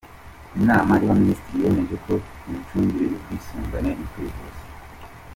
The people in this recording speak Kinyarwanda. Inama y‟Abaminisitiri yemeje ko imicungire y‟ubwisungane mu kwivuza